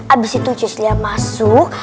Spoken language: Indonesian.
abis itu cislyah masuk